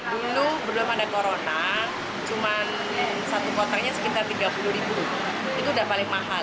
dulu belum ada corona cuman satu kotaknya sekitar tiga puluh ribu itu udah paling mahal